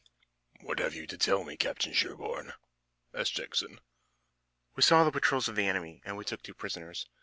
"What have you to tell me, Captain Sherburne?" asked Jackson. "We saw the patrols of the enemy, and we took two prisoners.